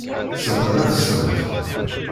Sebɣen-as-tent.